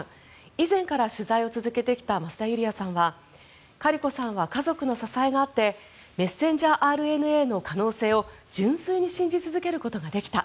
以前から取材を続けてきた増田ユリヤさんはカリコさんは家族の支えがあってメッセンジャーＲＮＡの可能性を純粋に信じ続けることができた。